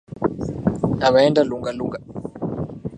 Ameenda Lunga Lunga.